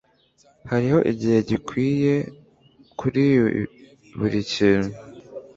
Hariho igihe gikwiye kuri buri kintu.